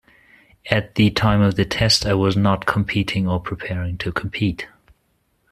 At the time of the test, I was not competing or preparing to compete.